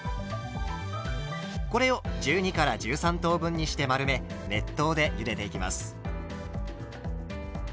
これを１２１３等分にして丸め熱湯でゆでていきます。